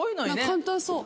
簡単そう。